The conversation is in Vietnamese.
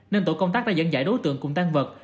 nên tổ công tác đã dẫn dãi đối tượng cùng tan vật